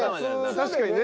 確かにね。